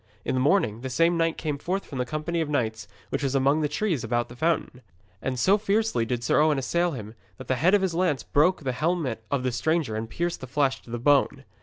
In the morning the same knight came forth from the company of knights which was among the trees about the fountain. And so fiercely did Sir Owen assail him that the head of his lance broke the helmet of the stranger and pierced the flesh to the bone.